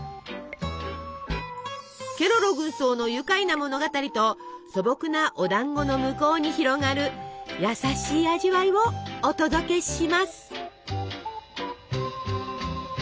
ケロロ軍曹の愉快な物語と素朴なおだんごの向こうに広がる優しい味わいをお届けします！